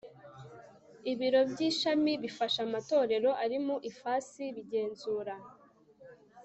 ibiro by ishami bifasha amatorero ari mu ifasi bigenzura